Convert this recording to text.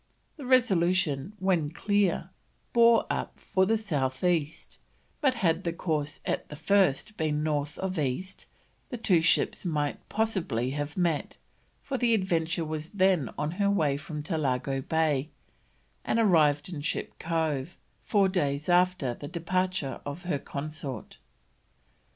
The Resolution, when clear, bore up for the south east, but had the course at the first been north of east, the two ships might possibly have met, for the Adventure was then on her way from Tolago Bay and arrived in Ship Cove four days after the departure of her consort.